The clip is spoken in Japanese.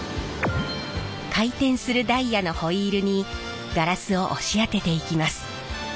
回転するダイヤのホイールにガラスを押し当てていきます。